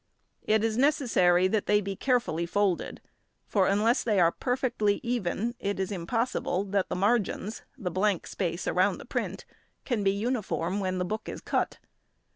It is necessary that they be carefully folded, for unless they are perfectly even, it is impossible that the margins (the blank space round the print) can be uniform when the book is cut.